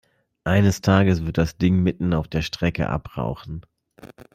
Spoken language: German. Eines Tages wird das Ding mitten auf der Strecke abrauchen.